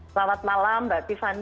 selamat malam mbak tiffany